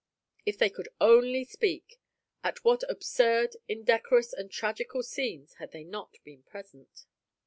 If they could only speak, at what absurd, indecorous, and tragical scenes had they not been present!